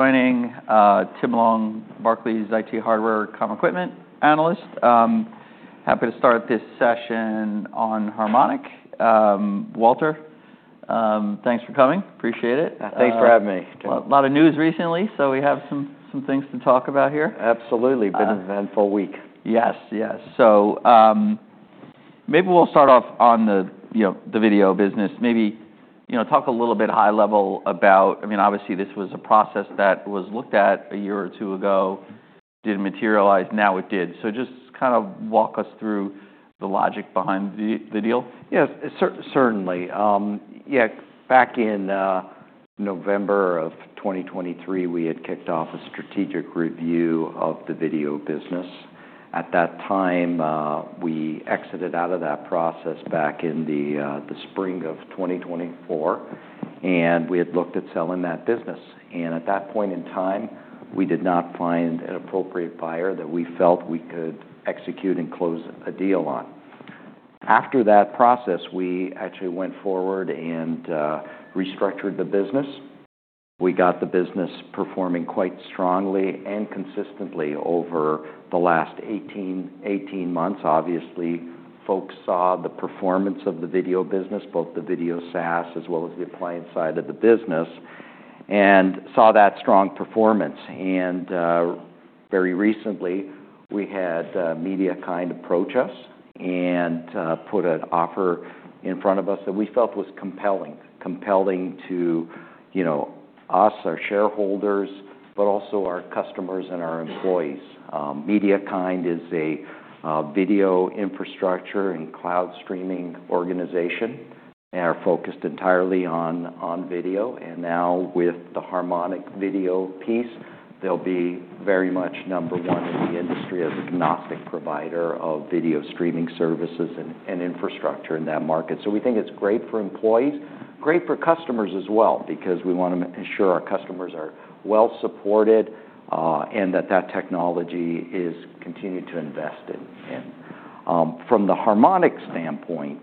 Joining Tim Long, Barclays IT Hardware Communications Equipment Analyst. Happy to start this session on Harmonic. Walter, thanks for coming. Appreciate it. Thanks for having me. A lot of news recently, so we have some things to talk about here. Absolutely. Been an eventful week. Yes, yes. So, maybe we'll start off on the, you know, the video business. Maybe, you know, talk a little bit high level about, I mean, obviously this was a process that was looked at a year or two ago, didn't materialize, now it did. So just kind of walk us through the logic behind the deal. Yes, certainly. Yeah, back in November of 2023, we had kicked off a strategic review of the video business. At that time, we exited out of that process back in the spring of 2024, and we had looked at selling that business, and at that point in time, we did not find an appropriate buyer that we felt we could execute and close a deal on. After that process, we actually went forward and restructured the business. We got the business performing quite strongly and consistently over the last 18 months. Obviously, folks saw the performance of the video business, both the video SaaS as well as the appliance side of the business, and saw that strong performance. And very recently, we had MediaKind approach us and put an offer in front of us that we felt was compelling to you know us, our shareholders, but also our customers and our employees. MediaKind is a video infrastructure and cloud streaming organization and are focused entirely on video. And now with the Harmonic video piece, they'll be very much number one in the industry as a domestic provider of video streaming services and infrastructure in that market. So we think it's great for employees, great for customers as well, because we want to make sure our customers are well supported, and that technology is continued to invest in. From the Harmonic standpoint,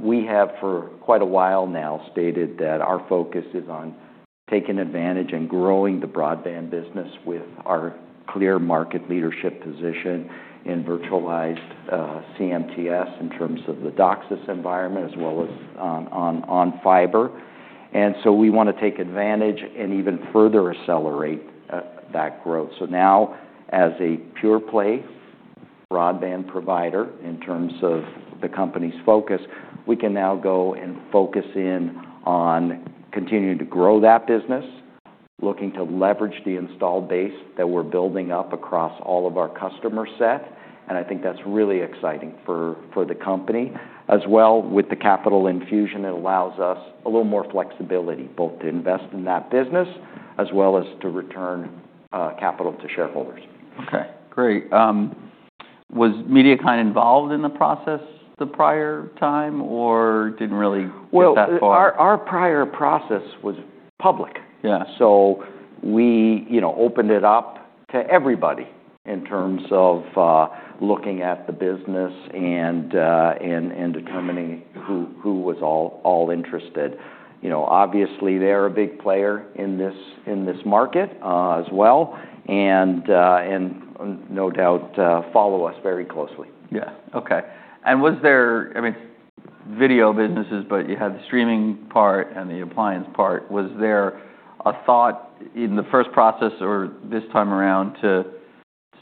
we have for quite a while now stated that our focus is on taking advantage and growing the broadband business with our clear market leadership position in virtualized CMTS in terms of the DOCSIS environment as well as on fiber. And so we wanna take advantage and even further accelerate that growth. So now, as a pure-play broadband provider in terms of the company's focus, we can now go and focus in on continuing to grow that business, looking to leverage the install base that we're building up across all of our customer set. And I think that's really exciting for the company. As well, with the capital infusion, it allows us a little more flexibility, both to invest in that business as well as to return capital to shareholders. Okay. Great. Was MediaKind involved in the process the prior time, or didn't really get that far? Our prior process was public. Yeah. So we, you know, opened it up to everybody in terms of looking at the business and determining who was all interested. You know, obviously, they're a big player in this market, as well. And no doubt, follow us very closely. Yeah. Okay. And was there, I mean, video businesses, but you had the streaming part and the appliance part. Was there a thought in the first process or this time around to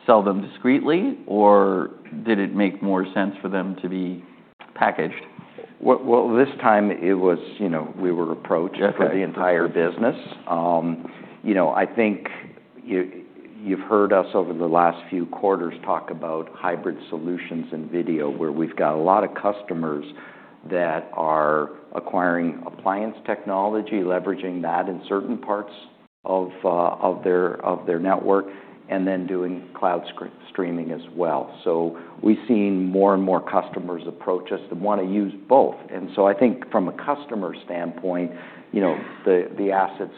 sell them discretely, or did it make more sense for them to be packaged? Well, this time it was, you know, we were approached for the entire business. You know, I think you've heard us over the last few quarters talk about hybrid solutions in video, where we've got a lot of customers that are acquiring appliance technology, leveraging that in certain parts of their network, and then doing cloud streaming as well. So we've seen more and more customers approach us that wanna use both. And so I think from a customer standpoint, you know, the assets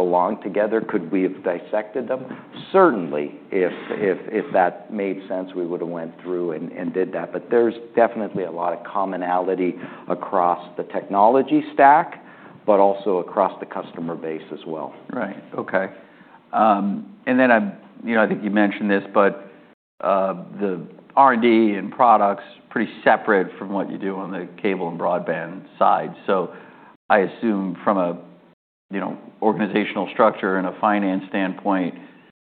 belong together. Could we have dissected them? Certainly. If that made sense, we would've went through and did that. But there's definitely a lot of commonality across the technology stack, but also across the customer base as well. Right. Okay. And then I'm, you know, I think you mentioned this, but the R&D and products are pretty separate from what you do on the cable and broadband side. So I assume from a, you know, organizational structure and a finance standpoint,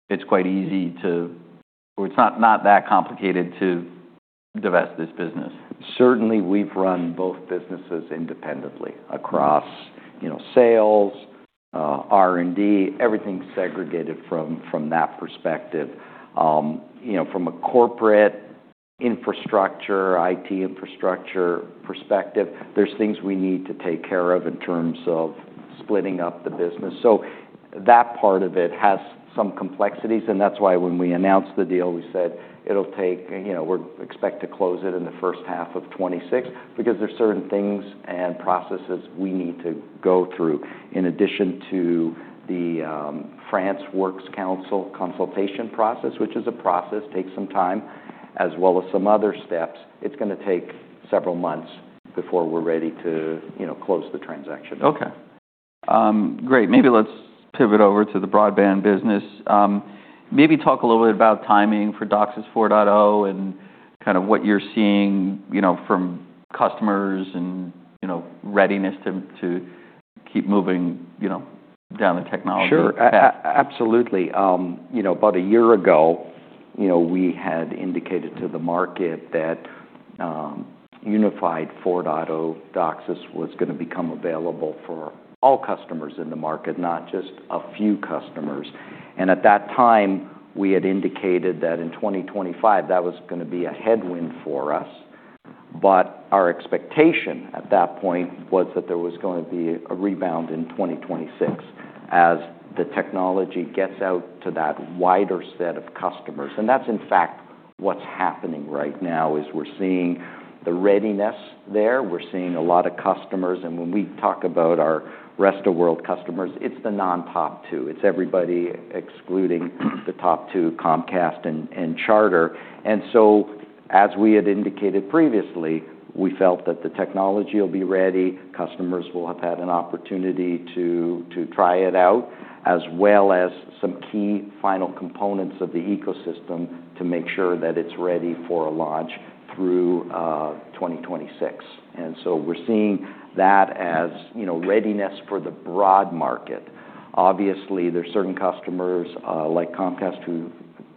it's quite easy to, or it's not, not that complicated to divest this business. Certainly, we've run both businesses independently across, you know, sales, R&D, everything segregated from, from that perspective. You know, from a corporate infrastructure, IT infrastructure perspective, there's things we need to take care of in terms of splitting up the business. So that part of it has some complexities, and that's why when we announced the deal, we said it'll take, you know, we're expect to close it in the first half of 2026 because there's certain things and processes we need to go through. In addition to the France Works Council consultation process, which is a process, takes some time, as well as some other steps, it's gonna take several months before we're ready to, you know, close the transaction. Okay. Great. Maybe let's pivot over to the broadband business. Maybe talk a little bit about timing for DOCSIS 4.0 and kind of what you're seeing, you know, from customers and, you know, readiness to keep moving, you know, down the technology path. Sure. Absolutely. You know, about a year ago, you know, we had indicated to the market that Unified DOCSIS 4.0 was gonna become available for all customers in the market, not just a few customers. And at that time, we had indicated that in 2025, that was gonna be a headwind for us. But our expectation at that point was that there was gonna be a rebound in 2026 as the technology gets out to that wider set of customers. And that's, in fact, what's happening right now is we're seeing the readiness there. We're seeing a lot of customers. And when we talk about our rest of world customers, it's the non-top two. It's everybody excluding the top two, Comcast and Charter. And so as we had indicated previously, we felt that the technology will be ready. Customers will have had an opportunity to try it out, as well as some key final components of the ecosystem to make sure that it's ready for a launch through 2026, and so we're seeing that as you know readiness for the broad market. Obviously, there's certain customers like Comcast who've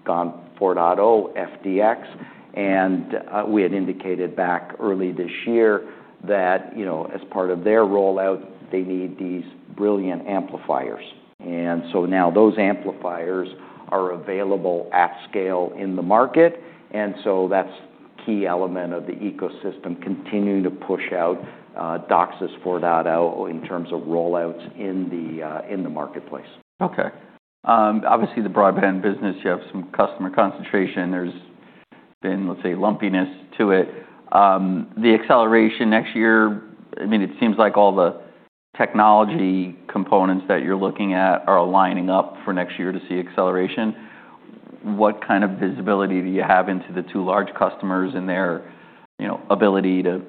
gone 4.0 FDX, and we had indicated back early this year that you know as part of their rollout they need these brilliant amplifiers, and so now those amplifiers are available at scale in the market, and so that's a key element of the ecosystem continuing to push out DOCSIS 4.0 in terms of rollouts in the marketplace. Okay. Obviously, the broadband business, you have some customer concentration. There's been, let's say, lumpiness to it. The acceleration next year, I mean, it seems like all the technology components that you're looking at are aligning up for next year to see acceleration. What kind of visibility do you have into the two large customers and their, you know, ability to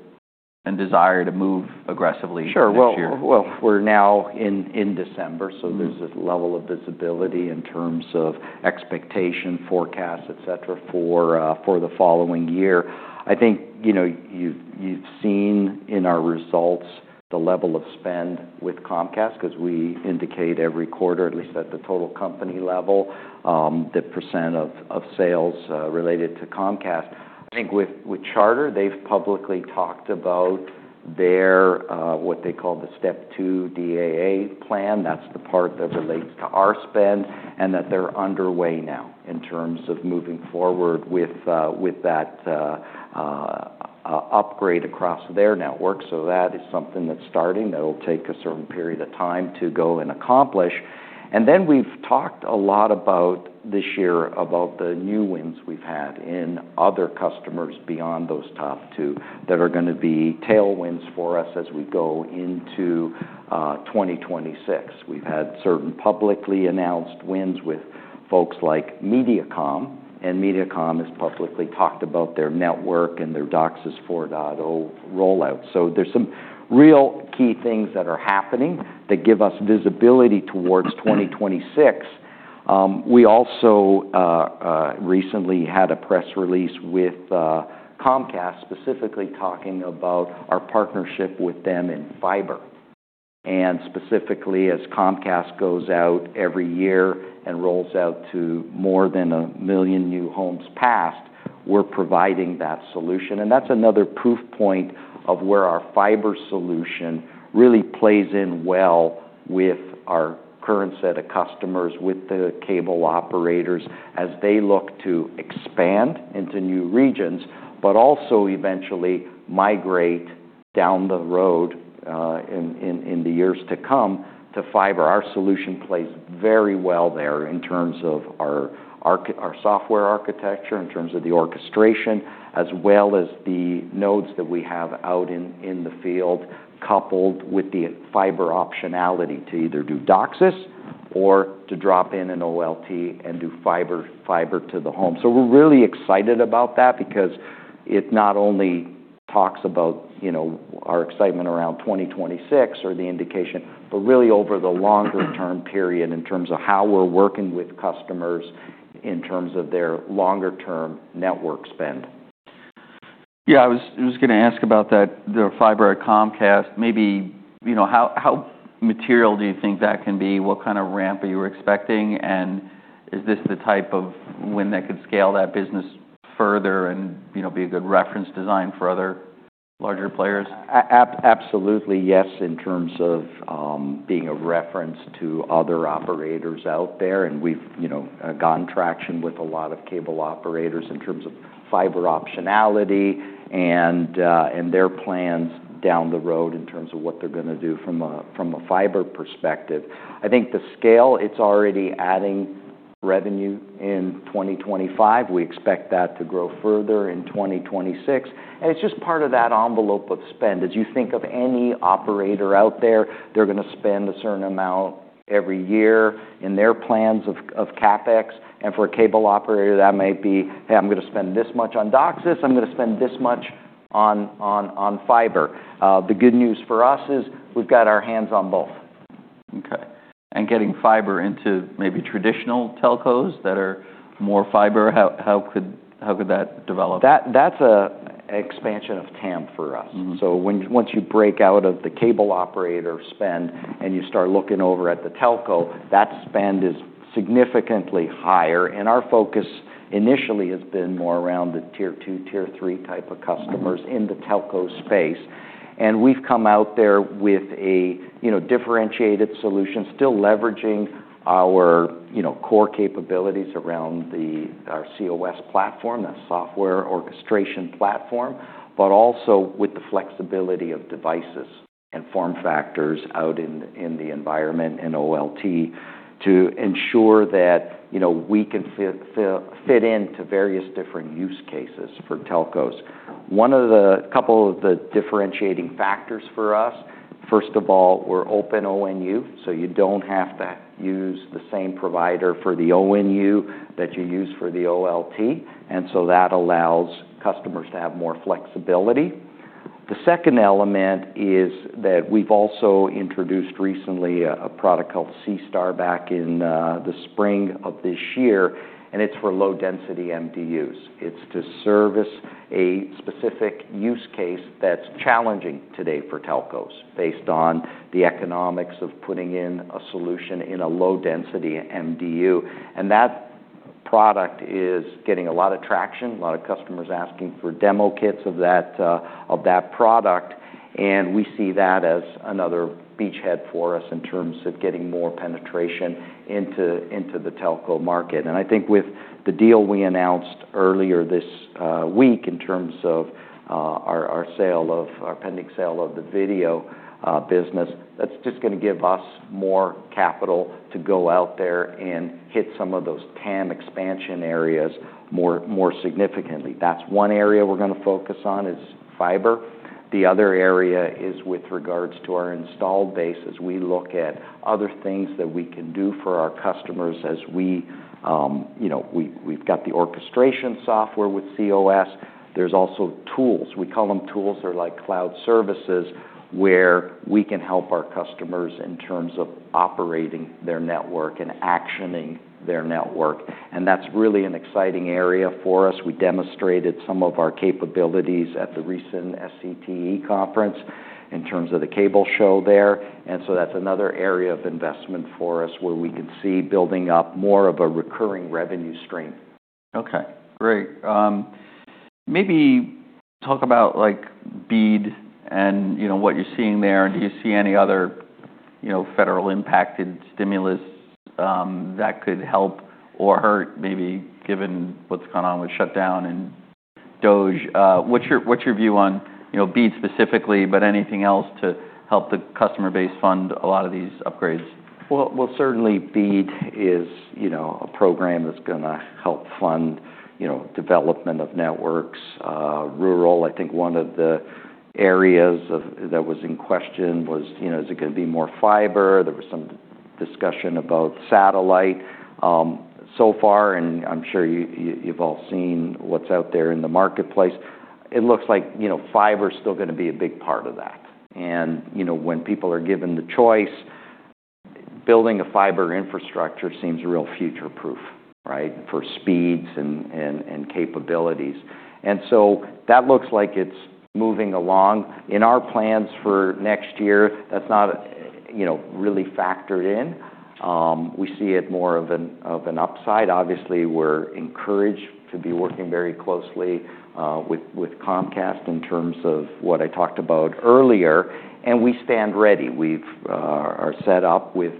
and desire to move aggressively next year? Sure. Well, we're now in December, so there's this level of visibility in terms of expectation, forecast, etc., for the following year. I think, you know, you've seen in our results the level of spend with Comcast 'cause we indicate every quarter, at least at the total company level, the percent of sales related to Comcast. I think with Charter, they've publicly talked about their what they call the step two DAA plan. That's the part that relates to our spend and that they're underway now in terms of moving forward with that upgrade across their network. So that is something that's starting. That'll take a certain period of time to go and accomplish. And then we've talked a lot about this year about the new wins we've had in other customers beyond those top two that are gonna be tailwinds for us as we go into 2026. We've had certain publicly announced wins with folks like Mediacom, and Mediacom has publicly talked about their network and their DOCSIS 4.0 rollout. So there's some real key things that are happening that give us visibility towards 2026. We also recently had a press release with Comcast specifically talking about our partnership with them in fiber. And specifically, as Comcast goes out every year and rolls out to more than a million new homes passed, we're providing that solution. And that's another proof point of where our fiber solution really plays in well with our current set of customers, with the cable operators, as they look to expand into new regions, but also eventually migrate down the road in the years to come to fiber. Our solution plays very well there in terms of our software architecture, in terms of the orchestration, as well as the nodes that we have out in the field, coupled with the fiber optionality to either do DOCSIS or to drop in an OLT and do fiber to the home. So we're really excited about that because it not only talks about, you know, our excitement around 2026 or the indication, but really over the longer-term period in terms of how we're working with customers in terms of their longer-term network spend. Yeah. I was gonna ask about that, the fiber at Comcast. Maybe, you know, how material do you think that can be? What kind of ramp are you expecting? And is this the type of win that could scale that business further and, you know, be a good reference design for other larger players? Absolutely, yes, in terms of being a reference to other operators out there. And we've, you know, gotten traction with a lot of cable operators in terms of fiber optionality and their plans down the road in terms of what they're gonna do from a fiber perspective. I think the scale, it's already adding revenue in 2025. We expect that to grow further in 2026. And it's just part of that envelope of spend. As you think of any operator out there, they're gonna spend a certain amount every year in their plans of CapEx. And for a cable operator, that might be, "Hey, I'm gonna spend this much on DOCSIS. I'm gonna spend this much on fiber." The good news for us is we've got our hands on both. Okay. And getting fiber into maybe traditional Telcos that are more fiber, how could that develop? That's an expansion of TAM for us. Mm-hmm. So when you once you break out of the cable operator spend and you start looking over at the telco, that spend is significantly higher. And our focus initially has been more around the tier two, tier three type of customers in the telco space. And we've come out there with a, you know, differentiated solution, still leveraging our, you know, core capabilities around our COS platform, that software orchestration platform, but also with the flexibility of devices and form factors out in the environment and OLT to ensure that, you know, we can fit into various different use cases for Telcos. One of the couple of the differentiating factors for us, first of all, we're Open ONU, so you don't have to use the same provider for the ONU that you use for the OLT. And so that allows customers to have more flexibility. The second element is that we've also introduced recently a product called SEASTAR back in the spring of this year, and it's for low-density MDUs. It's to service a specific use case that's challenging today for Telcos based on the economics of putting in a solution in a low-density MDU. And that product is getting a lot of traction, a lot of customers asking for demo kits of that product. And we see that as another beachhead for us in terms of getting more penetration into the telco market. And I think with the deal we announced earlier this week in terms of our pending sale of the video business, that's just gonna give us more capital to go out there and hit some of those TAM expansion areas more significantly. That's one area we're gonna focus on is fiber. The other area is with regards to our installed bases. We look at other things that we can do for our customers as we, you know, we, we've got the orchestration software with cOS. There's also tools. We call them tools. They're like cloud services where we can help our customers in terms of operating their network and actioning their network, and that's really an exciting area for us. We demonstrated some of our capabilities at the recent SCTE conference in terms of the cable show there, and so that's another area of investment for us where we can see building up more of a recurring revenue stream. Okay. Great. Maybe talk about, like, BEAD and, you know, what you're seeing there. And do you see any other, you know, federal impacted stimulus, that could help or hurt, maybe given what's gone on with shutdown and DOGE? What's your, what's your view on, you know, BEAD specifically, but anything else to help the customer base fund a lot of these upgrades? Certainly, BEAD is, you know, a program that's gonna help fund, you know, development of networks, rural. I think one of the areas of that was in question, you know, is it gonna be more fiber? There was some discussion about satellite, so far, and I'm sure you've all seen what's out there in the marketplace. It looks like, you know, fiber's still gonna be a big part of that, and, you know, when people are given the choice, building a fiber infrastructure seems real future-proof, right, for speeds and capabilities, and so that looks like it's moving along. In our plans for next year, that's not, you know, really factored in. We see it more of an upside. Obviously, we're encouraged to be working very closely with Comcast in terms of what I talked about earlier. We stand ready. We are set up with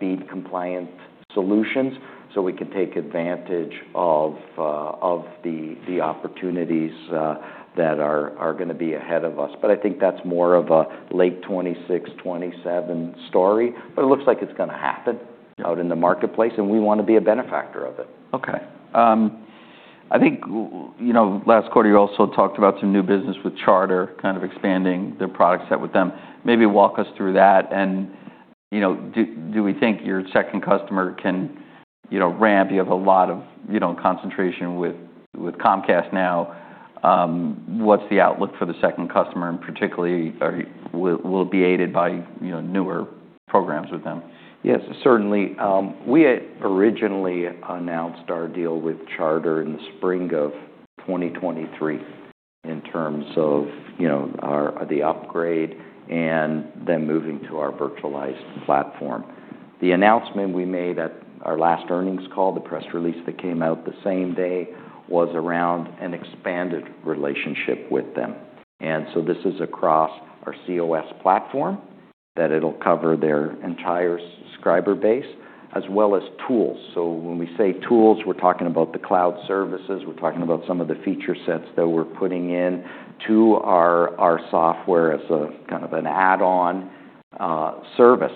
BEAD-compliant solutions so we can take advantage of the opportunities that are gonna be ahead of us, but I think that's more of a late 2026-2027 story, but it looks like it's gonna happen out in the marketplace, and we wanna be a benefactor of it. Okay. I think, you know, last quarter, you also talked about some new business with Charter kind of expanding their product set with them. Maybe walk us through that. And, you know, do we think your second customer can, you know, ramp? You have a lot of, you know, concentration with Comcast now. What's the outlook for the second customer and particularly, or will it be aided by, you know, newer programs with them? Yes, certainly. We had originally announced our deal with Charter in the spring of 2023 in terms of, you know, our, the upgrade and then moving to our virtualized platform. The announcement we made at our last earnings call, the press release that came out the same day, was around an expanded relationship with them. And so this is across our COS platform that it'll cover their entire subscriber base as well as tools. So when we say tools, we're talking about the cloud services. We're talking about some of the feature sets that we're putting into our software as a kind of an add-on service.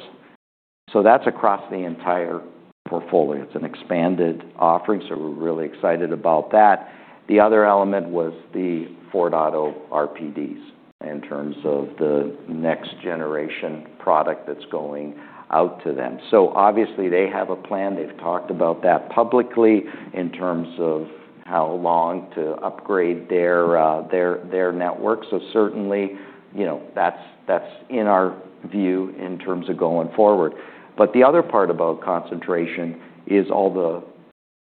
So that's across the entire portfolio. It's an expanded offering, so we're really excited about that. The other element was the Ford Auto RPDs in terms of the next-generation product that's going out to them. So obviously, they have a plan. They've talked about that publicly in terms of how long to upgrade their networks. So certainly, you know, that's in our view in terms of going forward. But the other part about concentration is all the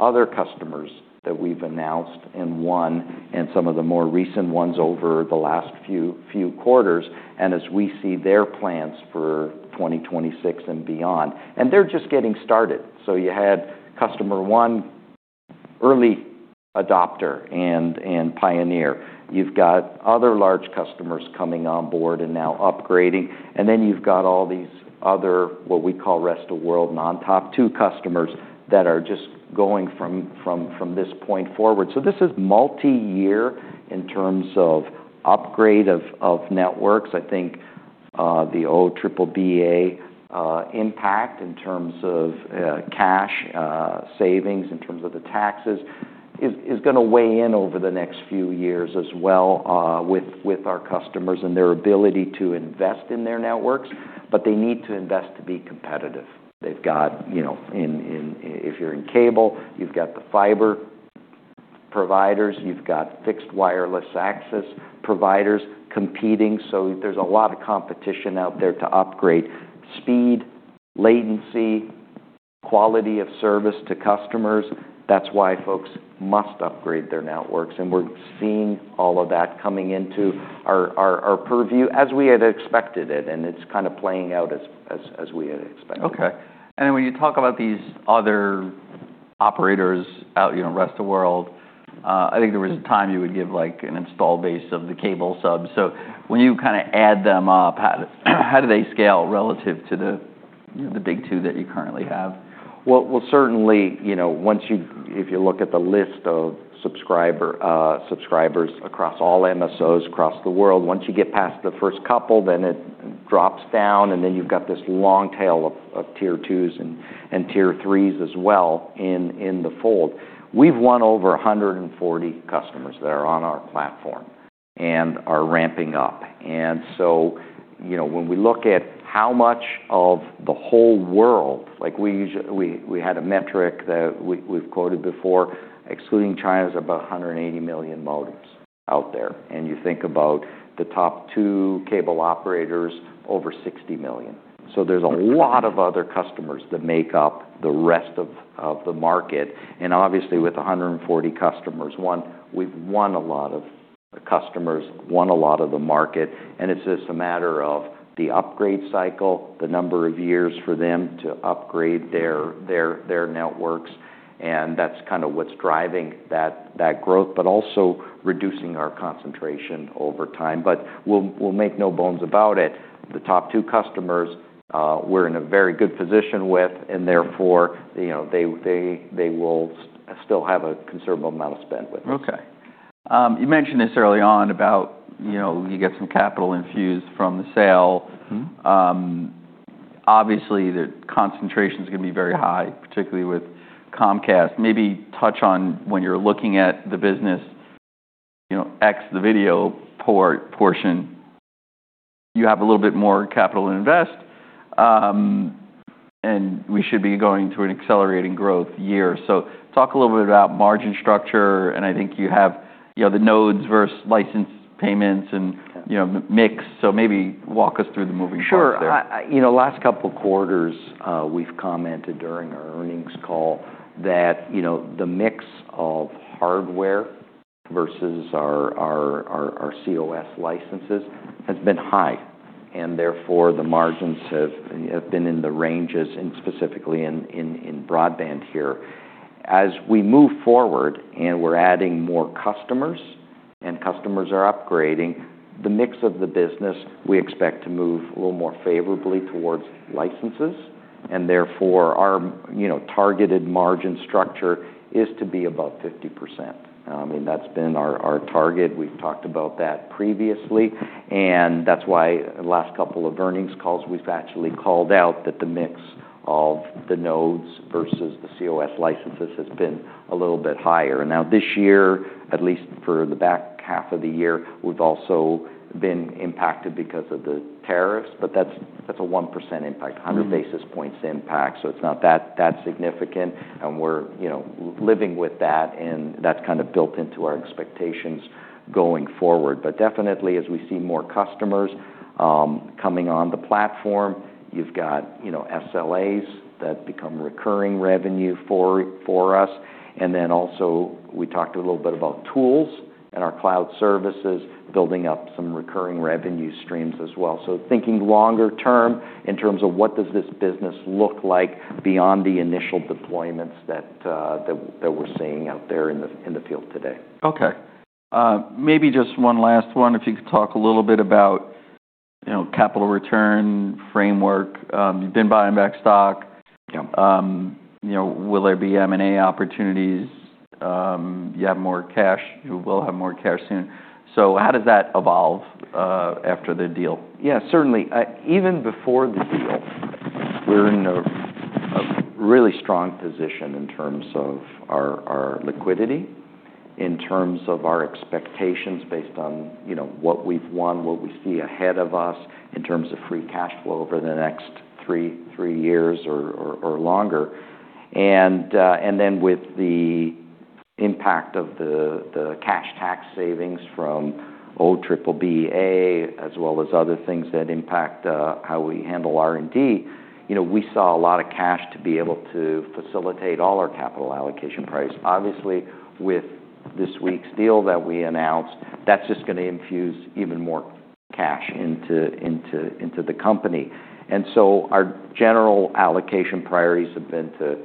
other customers that we've announced and won and some of the more recent ones over the last few quarters and as we see their plans for 2026 and beyond. And they're just getting started. So you had customer one, early adopter and pioneer. You've got other large customers coming on board and now upgrading. And then you've got all these other, what we call rest of world, non-top two customers that are just going from this point forward. So this is multi-year in terms of upgrade of networks. I think the old triple BA impact in terms of cash savings in terms of the taxes is gonna weigh in over the next few years as well with our customers and their ability to invest in their networks, but they need to invest to be competitive. They've got, you know, in if you're in cable, you've got the fiber providers. You've got fixed wireless access providers competing, so there's a lot of competition out there to upgrade speed, latency, quality of service to customers. That's why folks must upgrade their networks, and we're seeing all of that coming into our purview as we had expected it, and it's kinda playing out as we had expected. Okay. And when you talk about these other operators out, you know, rest of world, I think there was a time you would give like an install base of the cable subs. So when you kinda add them up, how do they scale relative to the, you know, the big two that you currently have? Certainly, you know, if you look at the list of subscribers across all MSOs across the world, once you get past the first couple, then it drops down, and then you've got this long tail of tier twos and tier threes as well in the fold. We've won over 140 customers that are on our platform and are ramping up. You know, when we look at how much of the whole world, like we usually had a metric that we've quoted before, excluding China, is about 180 million modems out there. You think about the top two cable operators, over 60 million. There's a lot of other customers that make up the rest of the market. Obviously, with 140 customers, we've won a lot of customers, won a lot of the market. And it's just a matter of the upgrade cycle, the number of years for them to upgrade their networks. And that's kinda what's driving that growth, but also reducing our concentration over time. But we'll make no bones about it. The top two customers, we're in a very good position with, and therefore, you know, they will still have a considerable amount of spend with us. Okay. You mentioned this early on about, you know, you get some capital infused from the sale. Mm-hmm. Obviously, the concentration's gonna be very high, particularly with Comcast. Maybe touch on when you're looking at the business, you know, ex the video port portion, you have a little bit more capital to invest, and we should be going to an accelerating growth year, so talk a little bit about margin structure, and I think you have, you know, the nodes versus license payments and, you know, mix, so maybe walk us through the moving parts there. Sure. I, you know, last couple quarters, we've commented during our earnings call that, you know, the mix of hardware versus our COS licenses has been high. And therefore, the margins have been in the ranges and specifically in broadband here. As we move forward and we're adding more customers and customers are upgrading, the mix of the business, we expect to move a little more favorably towards licenses. And therefore, our, you know, targeted margin structure is to be above 50%. I mean, that's been our target. We've talked about that previously. And that's why the last couple of earnings calls, we've actually called out that the mix of the nodes versus the COS licenses has been a little bit higher. Now, this year, at least for the back half of the year, we've also been impacted because of the tariffs, but that's a 1% impact, 100 basis points impact. So it's not that significant. And we're you know living with that, and that's kind of built into our expectations going forward. But definitely, as we see more customers coming on the platform, you've got you know SLAs that become recurring revenue for us. And then also, we talked a little bit about tools and our cloud services building up some recurring revenue streams as well. So thinking longer term in terms of what does this business look like beyond the initial deployments that we're seeing out there in the field today. Okay. Maybe just one last one, if you could talk a little bit about, you know, capital return framework. You've been buying back stock. Yeah. You know, will there be M&A opportunities? You have more cash. You will have more cash soon. So how does that evolve, after the deal? Yeah, certainly. Even before the deal, we're in a really strong position in terms of our liquidity, in terms of our expectations based on, you know, what we've won, what we see ahead of us in terms of free cash flow over the next three years or longer, and then with the impact of the cash tax savings from old triple BA as well as other things that impact how we handle R&D, you know, we saw a lot of cash to be able to facilitate all our capital allocation priorities. Obviously, with this week's deal that we announced, that's just gonna infuse even more cash into the company, and so our general allocation priorities have been to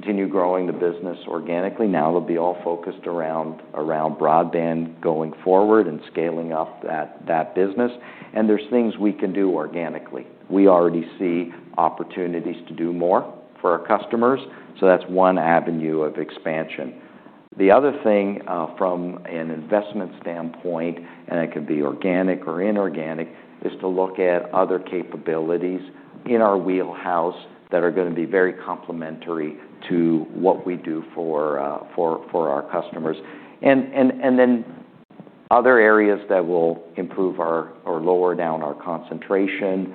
continue growing the business organically. Now, it'll be all focused around broadband going forward and scaling up that business. And there's things we can do organically. We already see opportunities to do more for our customers. So that's one avenue of expansion. The other thing, from an investment standpoint, and it could be organic or inorganic, is to look at other capabilities in our wheelhouse that are gonna be very complementary to what we do for our customers. And then other areas that will improve our or lower down our concentration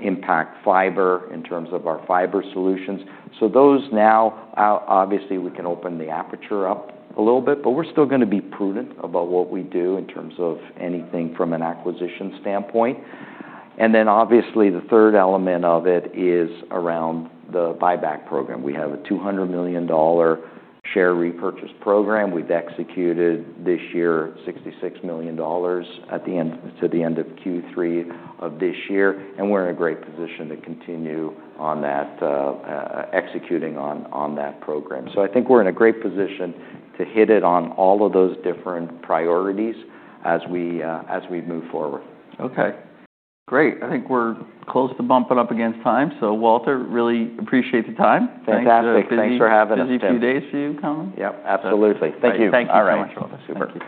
impact fiber in terms of our fiber solutions. So those now, obviously, we can open the aperture up a little bit, but we're still gonna be prudent about what we do in terms of anything from an acquisition standpoint. And then, obviously, the third element of it is around the buyback program. We have a $200 million share repurchase program. We've executed this year $66 million at the end to the end of Q3 of this year. And we're in a great position to continue on that, executing on that program. So I think we're in a great position to hit it on all of those different priorities as we move forward. Okay. Great. I think we're close to bumping up against time. So, Walter, really appreciate the time. Fantastic. Thanks for having us. Busy few days for you, Colin? Yep. Absolutely. Thank you. Thank you so much, Walter. All right. Super.